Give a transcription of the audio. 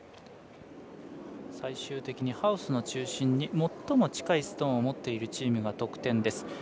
最終的にハウスの中心に最も近いストーンを持っているチームが得点です。